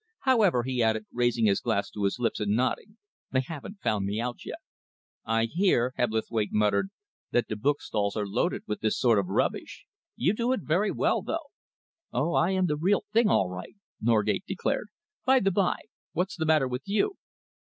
However," he added, raising his glass to his lips and nodding, "they haven't found me out yet." "I hear," Hebblethwaite muttered, "that the bookstalls are loaded with this sort of rubbish. You do it very well, though." "Oh! I am the real thing all right," Norgate declared. "By the by, what's the matter with you?"